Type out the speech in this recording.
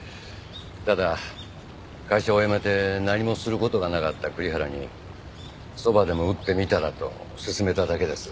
ただ会社を辞めて何もする事がなかった栗原にそばでも打ってみたら？と勧めただけです。